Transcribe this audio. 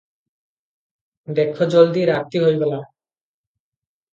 ଦେଖ ଜଲଦି, ରାତି ହୋଇଗଲା ।